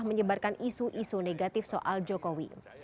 menyebarkan isu isu negatif soal jokowi